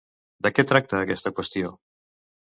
De què tracta aquesta qüestió?